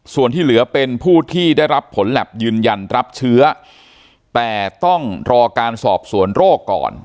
ส่วนที่เหลือเป็นผู้ที่ได้รับผลแล็บยืนยันรับเชื้อแต่ต้องรอการสอบสวนโรคก่อน